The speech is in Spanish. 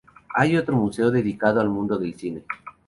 Hay otro museo dedicado al mundo del cine.